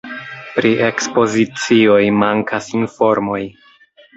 Pri ekspozicioj mankas informoj.